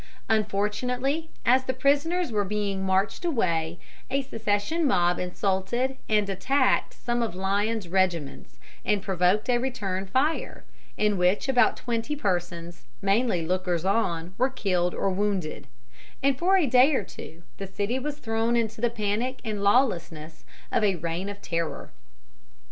Unfortunately, as the prisoners were being marched away a secession mob insulted and attacked some of Lyon's regiments and provoked a return fire, in which about twenty persons, mainly lookers on, were killed or wounded; and for a day or two the city was thrown into the panic and lawlessness of a reign of terror.